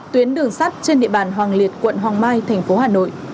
tuyến đường sắt trên địa bàn hoàng liệt quận hoàng mai thành phố hà nội